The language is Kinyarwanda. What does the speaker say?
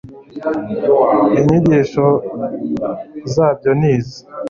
inyigisho zabyo ni izi